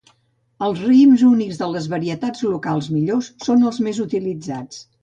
Els raïms únics de les varietats locals millors són els més utilitzats.